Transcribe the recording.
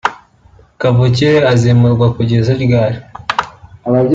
Kavukire azimurwa kugeza ryari